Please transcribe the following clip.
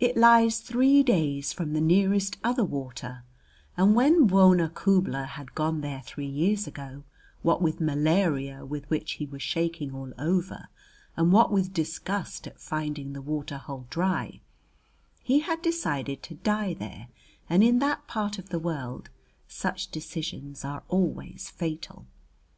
It lies three days from the nearest other water, and when Bwona Khubla had gone there three years ago, what with malaria with which he was shaking all over, and what with disgust at finding the water hole dry, he had decided to die there, and in that part of the world such decisions are always fatal.